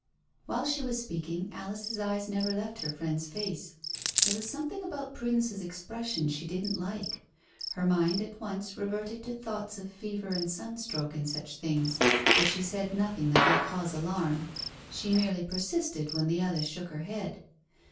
While she was speaking Alice's eyes never left her friend's face. There was something about Prudence's expression she didn't like. Her mind at once reverted to thoughts of fever and sunstroke and such things, but she said nothing that might cause alarm. She merely persisted when the other shook her head.